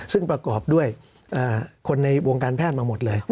ซึ่งประกอบด้วยคนในวงการแพทย์มาหมดเลย